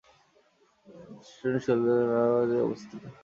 স্টেশনটি শিয়ালদহ-রানাঘাট রেলপথে অবস্থিত।